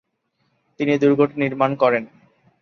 তিনি দুর্গটি নির্মাণ করেন।